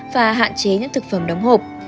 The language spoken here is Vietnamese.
và hạn chế những thực phẩm đóng hộp